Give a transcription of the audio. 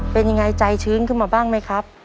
เป็นยังไงใจชื้นขึ้นมาบ้างไหมครับ